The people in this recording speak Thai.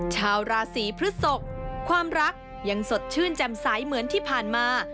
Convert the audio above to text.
ชาวราศีพฤศกความรักยังสดชื่นแจ่มใสเหมือนที่ผ่านมา